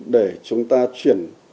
để chúng ta chuyển